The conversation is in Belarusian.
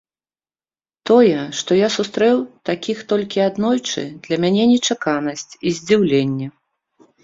Тое, што я сустрэў такіх толькі аднойчы, для мяне нечаканасць і здзіўленне.